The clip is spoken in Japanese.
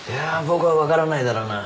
僕は分からないだろうな